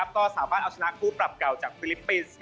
ก็สามารถเอาชนะคู่ปรับเก่าจากฟิลิปปินส์